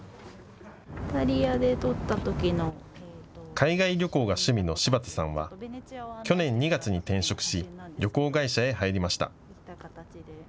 海外旅行が趣味の柴田さんは去年２月に転職し旅行会社へ入りました。